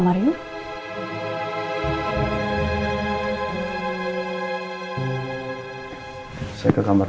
biar tidur lama pak